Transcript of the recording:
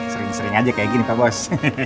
sering sering aja kayak gini pak bos